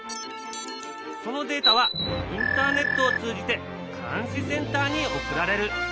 そのデータはインターネットを通じて監視センターに送られる。